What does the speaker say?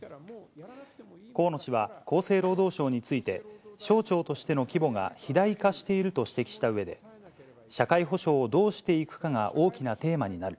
河野氏は厚生労働省について、省庁としての規模が肥大化していると指摘したうえで、社会保障をどうしていくかが大きなテーマになる。